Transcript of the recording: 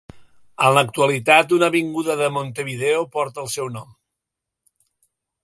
En l'actualitat, una avinguda de Montevideo porta el seu nom.